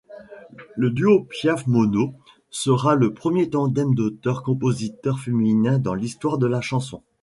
Le duo Piaf-Monnot sera le premier tandem d'auteur-compositeur féminin dans l'histoire de la chanson.